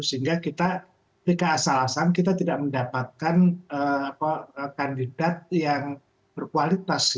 sehingga kita ketika asal asalan kita tidak mendapatkan kandidat yang berkualitas